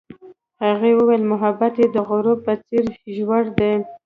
هغې وویل محبت یې د غروب په څېر ژور دی.